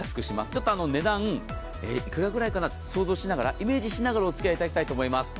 ちょっと値段幾らぐらいかなと想像しながらイメージしながらお付き合いいただきたいと思います。